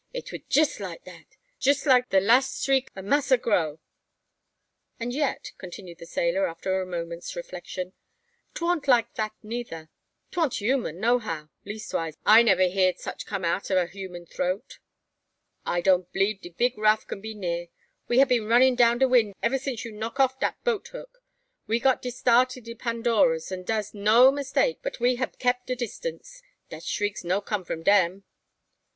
It wa jess like that, jess like the lass s'riek ob Massa Grow." "And yet," continued the sailor, after a moment's reflection, "'t warn't like that neyther. 'T warn't human, nohow: leastwise, I niver heerd such come out o' a human throat." "A don't blieb de big raff can be near. We hab been runnin' down de wind ebba since you knock off dat boat hook. We got de start o' de Pandoras; an' dar's no mistake but we hab kep de distance. Dat s'riek no come from dem."